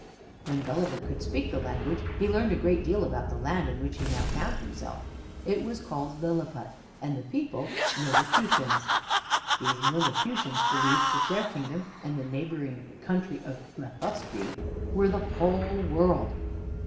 When Gulliver could speak the language, he learned a great deal about the land in which he now found himself. It was called Lilliput, and the people, Lilliputians. These Lilliputians believed that their kingdom and the neighboring country of Blefuscu were the whole world.